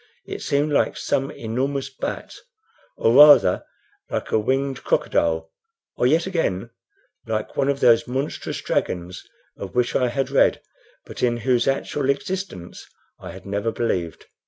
It seemed like some enormous bat, or rather like a winged crocodile, or yet again like one of those monstrous dragons of which I had read, but in whose actual existence I had never believed.